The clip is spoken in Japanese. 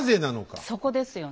そこですよね。